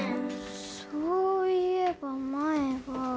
そういえば前は